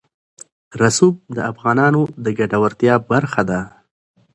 رسوب د افغانانو د ګټورتیا برخه ده.